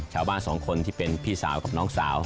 ชาวบ้านสองคนที่เป็นพี่สาวกับน้องสาว